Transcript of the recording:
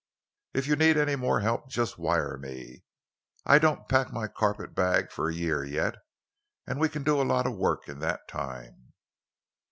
If you need any more help, just wire me. I don't pack my carpetbag for a year yet, and we can do a lot of work in that time."